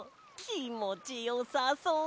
きもちよさそう！